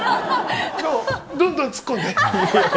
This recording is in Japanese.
どんどんツッコんで。